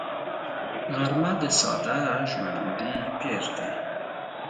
غرمه د ساده ژوندي پېر دی